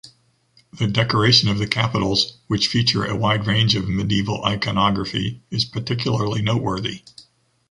The decoration of the capitals, which feature a wide range of medieval iconography, is particularly noteworthy.